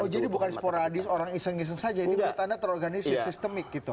oh jadi bukan sporadis orang iseng iseng saja ini menurut anda terorganisir sistemik gitu